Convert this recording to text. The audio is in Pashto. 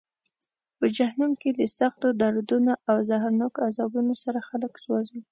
په جهنم کې د سختو دردونو او زهرناکو عذابونو سره خلک سوزي.